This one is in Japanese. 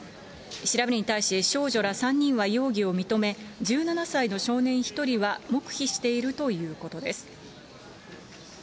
調べに対し少女ら３人は容疑を認め、１７歳の少年１人は黙秘しているということです。